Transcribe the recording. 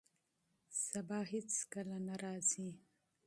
سبا هیڅکله نه راځي.